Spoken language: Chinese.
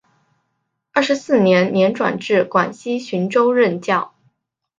二十四年年转至广西浔州任教。